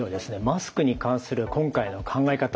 マスクに関する今回の考え方